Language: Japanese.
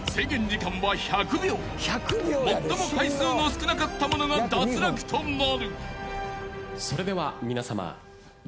［最も回数の少なかった者が脱落となる］